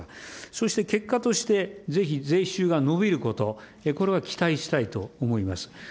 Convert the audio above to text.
そして結果として、ぜひ税収が伸びること、これは期待したいと思います。